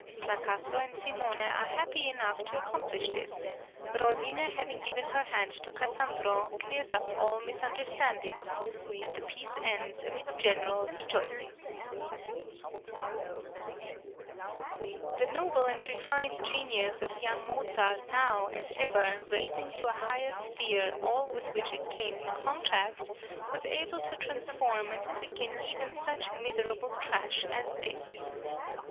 Fracasso and Simone are happy enough to accomplish this; Rosine having given her hand to Cassandro, clears up all misunderstandings, and the piece ends amid general rejoicings. {LA FINTA SEMPLICE.} (77) The noble and refined genius of young Mozart now, as ever, raising to a higher sphere all with which it came in contact, was able to transform and quicken even such miserable trash as this.